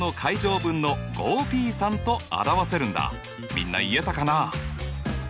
みんな言えたかな？